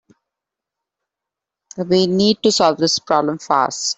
We need to solve this problem fast.